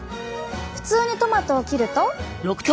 普通にトマトを切ると。